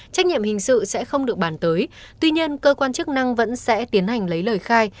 trách nhiệm hình sự sẽ không được bàn tới tuy nhiên cơ quan chức năng vẫn sẽ tiến hành lấy lời khai